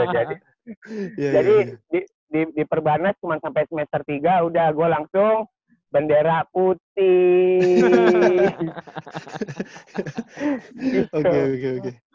jadi di perbanas cuma sampai semester tiga udah gue langsung bendera putih